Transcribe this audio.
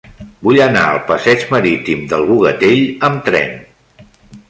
Vull anar al passeig Marítim del Bogatell amb tren.